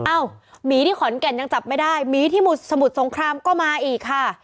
หมีที่ขอนแก่นยังจับไม่ได้หมีที่สมุทรสงครามก็มาอีกค่ะ